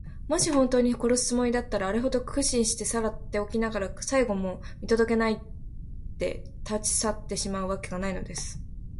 もしほんとうに殺すつもりだったら、あれほど苦心してさらっておきながら、最期も見とどけないで、たちさってしまうわけがないのです。